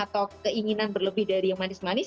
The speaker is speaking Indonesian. atau keinginan berlebih dari yang manis manis